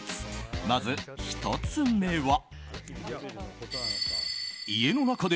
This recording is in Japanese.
まず１つ目は。